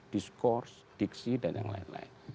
diskurs diksi dan yang lain lain